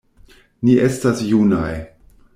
Ni estas junaj.